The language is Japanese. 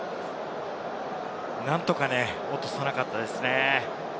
なんとか落とさなかったですね。